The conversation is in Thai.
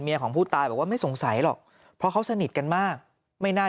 ของผู้ตายบอกว่าไม่สงสัยหรอกเพราะเขาสนิทกันมากไม่น่า